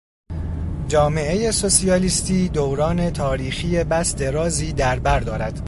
جامعهٔ سوسیالیستی دوران تاریخی بس درازی در بر دارد.